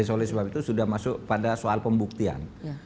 oleh sebab itu sudah masuk pada soal pembuktian